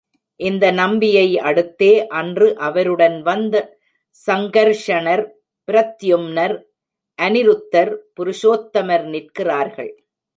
இந்த நம்பியை அடுத்தே அன்று அவருடன் வந்த சங்கர்ஷணர், பிரத்யும்னர், அநிருத்தர், புருஷோத்தமர் நிற்கிறார்கள்.